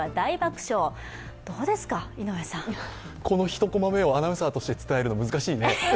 この１コマ目をアナウンサーと伝えるのは難しいね。